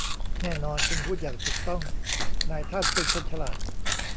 แน่นอนคุณพูดอย่างถูกต้องนายท่านเป็นคนฉลาด